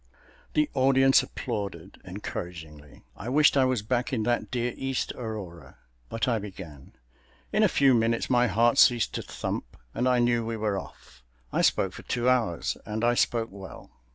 The audience applauded encouragingly, I wished I was back in that dear East Aurora. But I began. In a few minutes my heart ceased to thump and I knew we were off. I spoke for two hours, and I spoke well.